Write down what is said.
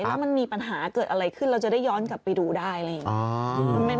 แล้วมันมีปัญหาเกิดอะไรขึ้นเราจะได้ย้อนกลับไปดูได้เลย